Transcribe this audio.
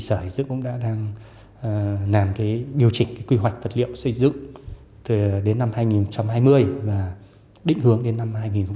sở xây dựng cũng đã điều chỉnh quy hoạch vật liệu xây dựng đến năm hai nghìn hai mươi và định hướng đến năm hai nghìn ba mươi